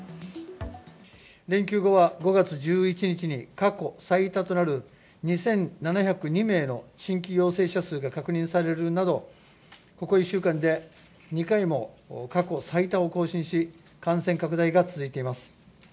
連休後は、５月１１日に過去最多となる２７０２名の新規陽性者数が確認されるなど、ここ１週間で２回も過去最多を更新し、感染拡大が続いています。